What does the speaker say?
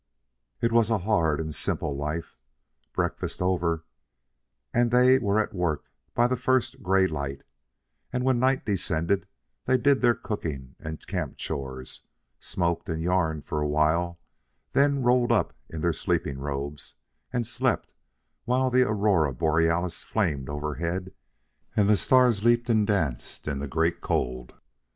It was a hard and simple life. Breakfast over, and they were at work by the first gray light; and when night descended, they did their cooking and camp chores, smoked and yarned for a while, then rolled up in their sleeping robes, and slept while the aurora borealis flamed overhead and the stars leaped and danced in the great cold.